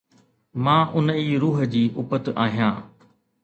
مان ان ئي روح جي اُپت آهيان